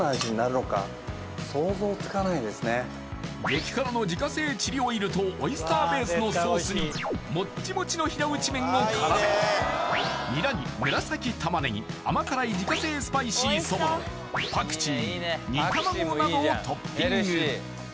激辛の自家製チリオイルとオイスターベースのソースにもっちもちの平打ち麺を絡めニラに紫玉ねぎ甘辛い自家製スパイシーそぼろパクチー煮卵などをトッピング